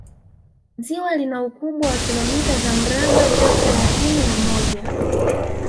ziwa lina ukubwa wa kilomita za mraba elfu thelathini na moja